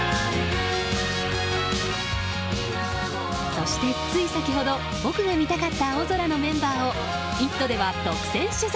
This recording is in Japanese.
そして、つい先ほど僕が見たかった青空のメンバーを「イット！」では独占取材。